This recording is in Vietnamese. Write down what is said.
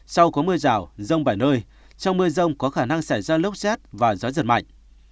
sau có mưa rào rông bảy nơi trong mưa rông có khả năng xảy ra lốc xét và gió giật mạnh